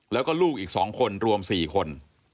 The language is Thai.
แล้วก็ลูกอีก๒คนรวม๔คน